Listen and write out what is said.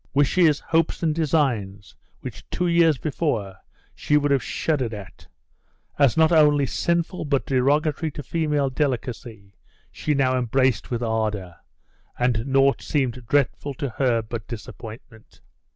Wishes, hopes, and designs, which two years before, she would have shuddered at, as not only sinful but derogatory to female delicacy, she now embraced with ardor, and naught seemed dreadful to her but disappointment.